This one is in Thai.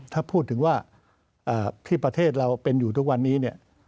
ถ้าพูดถึงว่าที่ประเทศเราเป็นอยู่ทุกวันนี้เนี่ย